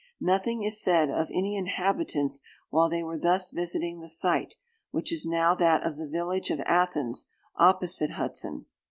Nothing is said of any inhabitants while they were thus visiting the site, which is now that of the village of Athens, opposite Hudson.